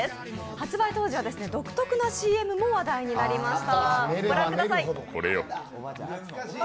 発売当時は独特のＣＭで話題になりました。